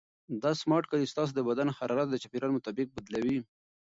دا سمارټ کالي ستاسو د بدن حرارت د چاپیریال مطابق بدلوي.